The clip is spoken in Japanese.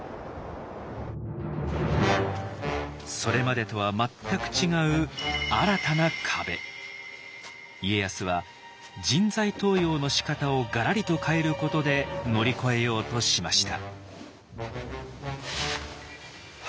それまでとは全く違う家康は人材登用のしかたをがらりと変えることで乗り越えようとしました。